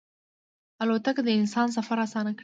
الوتکه د انسان سفر اسانه کړی.